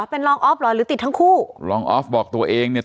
เป็นรองออฟเหรอหรือติดทั้งคู่รองออฟบอกตัวเองเนี่ย